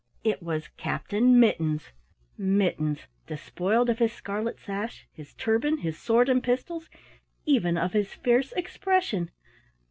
It was Captain Mittens! Mittens despoiled of his scarlet sash, his turban, his sword and pistols, even of his fierce expression!